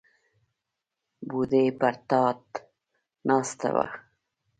بوډۍ پر تاټ ناسته وه.